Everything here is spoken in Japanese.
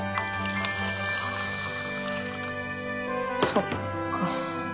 そっか。